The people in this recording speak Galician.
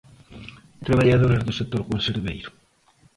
Traballadoras do sector conserveiro.